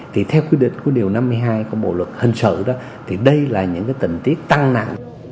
thì theo quy định của điều năm mươi hai của bộ luật hình sự đó thì đây là những cái tình tiết tăng nặng